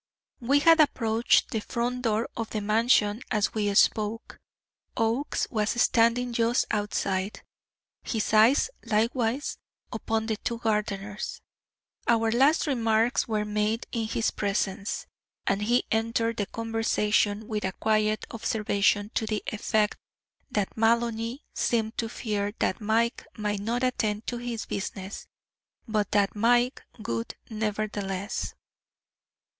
We had approached the front door of the Mansion as we spoke. Oakes was standing just outside, his eyes likewise upon the two gardeners. Our last remarks were made in his presence, and he entered the conversation with a quiet observation to the effect that Maloney seemed to fear that Mike might not attend to his business, but that Mike would, nevertheless.